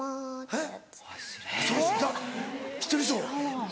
えっ？